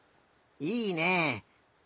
いいね！